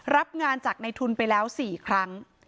รับงานจากในทุนไปแล้ว๔ครั้ง